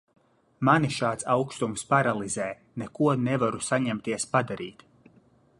Mani šāds aukstums paralizē, neko nevaru saņemties padarīt.